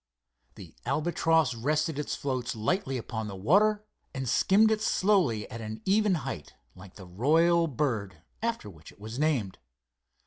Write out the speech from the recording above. The Albatross rested its floats lightly upon the water and skimmed it slowly at an even height, like the royal bird after which it was named.